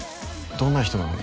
どんな人なの？